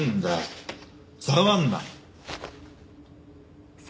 触んな！